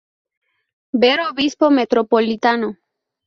Ver obispo metropolitano.